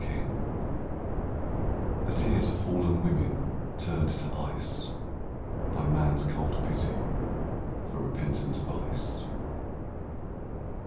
DIAMONDS The tears of fallen women turned to ice By man's cold pity for repentant vice.